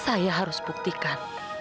saya harus buktikan